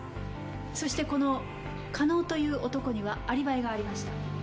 そしてこの加納という男にはアリバイがありました。